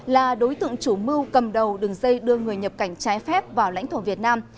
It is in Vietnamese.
là đối tượng chủ mưu cầm đầu đường dây đưa người nhập cảnh trái phép vào lãnh thổ việt nam